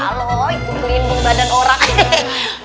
halo itu gelindung badan orang ya